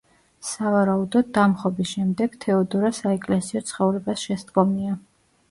სავარაუდოდ, დამხობის შემდეგ თეოდორა საეკლესიო ცხოვრებას შესდგომია.